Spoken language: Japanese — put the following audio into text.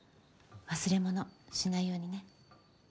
忘れ物しないようにね。